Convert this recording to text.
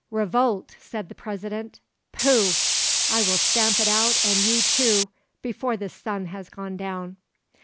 "Revolt!" said the President. "Pooh! I will stamp it out, and you too, before the sun has gone down."